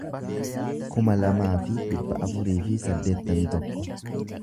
kuma lamaa fi dhibba afurii fi saddeettamii tokko